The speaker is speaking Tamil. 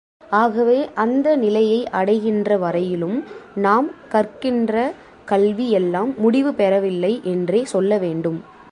ஆகவே அந்த நிலையை அடைகின்ற வரையிலும் நாம் கற்கின்ற கல்வி எல்லாம் முடிவு பெறவில்லை என்றே சொல்ல வேண்டும்.